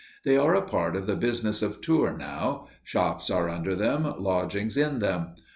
They are a part of the business of Tours now. Shops are under them, lodgings in them.